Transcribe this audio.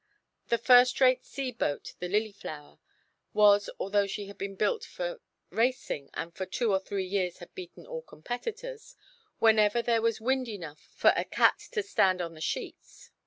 A first rate sea boat the "Lilyflower" was, although she had been built for racing, and for two or three years had beaten all competitors, whenever there was wind enough for a cat to stand on the sheets.